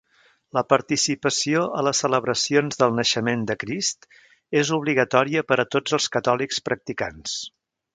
La participació a les celebracions del Naixement de Crist és obligatòria per a tots els catòlics practicants.